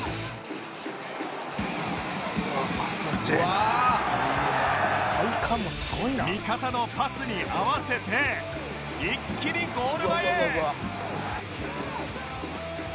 「体幹もすごいな」味方のパスに合わせて一気にゴール前へ！